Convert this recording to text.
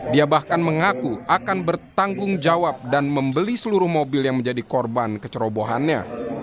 dia bahkan mengaku akan bertanggung jawab dan membeli seluruh mobil yang menjadi korban kecerobohannya